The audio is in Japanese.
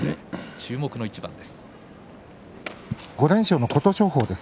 注目の一番です。